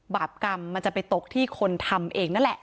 บาปกรรมมันจะไปตกที่คนทำเองนั่นแหละ